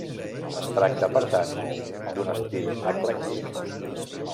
Es tracta per tant d'un estil eclèctic.